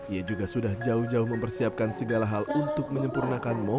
ia juga sudah jauh jauh mempersiapkan segala hal untuk menyempurnakan motif